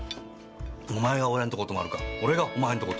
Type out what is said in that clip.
お前が俺んとこ泊まるか俺がお前んとこ泊まるか。